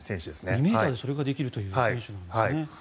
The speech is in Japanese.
２ｍでそれができるという選手なんですね。